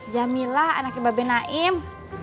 jamilah anaknya mbak benaim